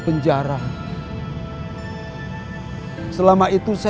kamu harus terima kasih